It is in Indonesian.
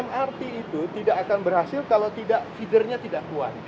mrt itu tidak akan berhasil kalau tidak feedernya tidak kuat